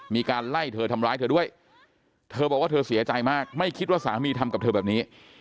มีการไล่เธอทำร้ายเธอด้วยเธอบอกว่าเธอเสียใจมากไม่คิดว่าสามีทำกับเธอแบบนี้